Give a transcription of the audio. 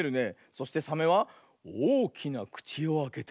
そしてサメはおおきなくちをあけておよぐ。